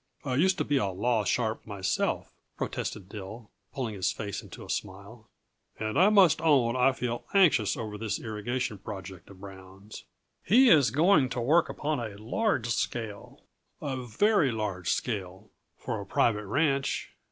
I used to be a 'law sharp' myself," protested Dill, pulling his face into a smile. "And I must own I feel anxious over this irrigation project of Brown's. He is going to work upon a large scale a very large scale for a private ranch.